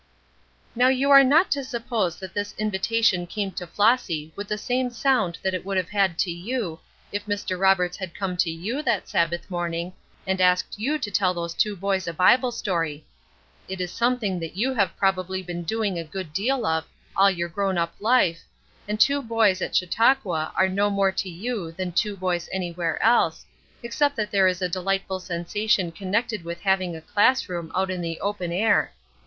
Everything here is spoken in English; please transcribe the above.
Now you are not to suppose that this invitation came to Flossy with the same sound that it would have had to you, if Mr. Roberts had come to you that Sabbath morning and asked you to tell those two boys a Bible story. It is something that you have probably been doing a good deal of, all your grown up life, and two boys at Chautauqua are no more to you than two boys anywhere else, except that there is a delightful sensation connected with having a class room out in the open air.